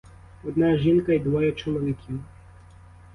Одна жінка й двоє чоловіків.